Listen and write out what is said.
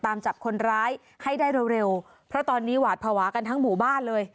ตามจับคนร้ายให้ได้เร็วเร็วเพราะตอนนี้หวาดภาวะกันทั้งหมู่บ้านเลย